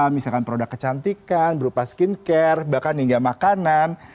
misalkan produk kecantikan berupa skincare bahkan hingga makanan